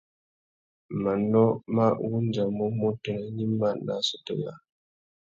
Manô mà wandjamú mutu nà gnïma nà assôtô yâā.